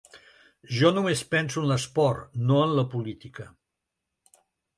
Jo només penso en l’esport, no en la política.